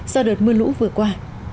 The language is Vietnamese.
do đợt mưa lũ vừa qua